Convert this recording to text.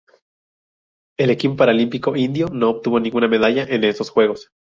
El equipo paralímpico indio no obtuvo ninguna medalla en estos Juegos.